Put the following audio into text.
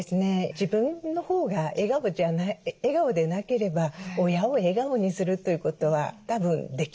自分のほうが笑顔でなければ親を笑顔にするということはたぶんできないと思うんですね。